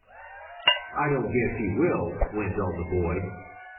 "I don't guess he will," went on the boy.